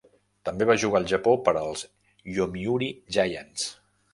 També va jugar al Japó per als Yomiuri Giants.